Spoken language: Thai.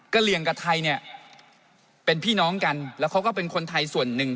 เหลี่ยงกับไทยเนี่ยเป็นพี่น้องกันแล้วเขาก็เป็นคนไทยส่วนหนึ่ง